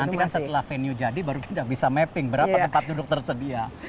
nanti kan setelah venue jadi baru kita bisa mapping berapa tempat duduk tersedia